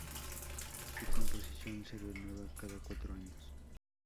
Su composición se renueva cada cuatro años.